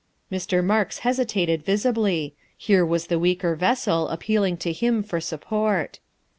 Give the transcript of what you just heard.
Mr. Marks hesitated visibly. Here was the weaker vessel appealing to him for support.